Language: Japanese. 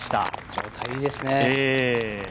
状態いいですね。